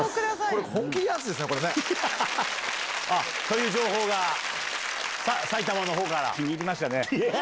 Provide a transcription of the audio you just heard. これ、本気のやつですね、これね。という情報が、埼玉のほうか気に入りましたね。